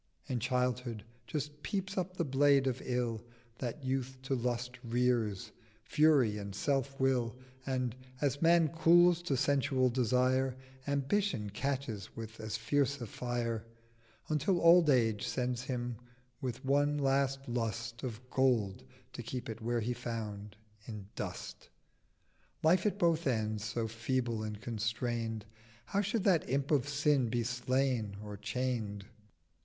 In Childhood just peeps up the Blade of Ill, That Youth to Lust rears, Fury, and Self will: And, as Man cools to sensual Desire, Ambition catches with as fierce a Fire; 920 Until Old Age sends him with one last Lust Of Gold, to keep it where he found—in Dust. Life at both ends so feeble and constrain'd How should that Imp of Sin be slain or chain'd?